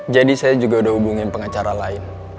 jadi saya juga udah hubungin pengecara lain